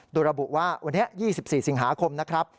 โดยระบุว่าวันนี้๒๔สิงหาคมนะครับ